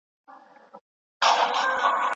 نور نو نهیم پوهېدلی چې څه کیږي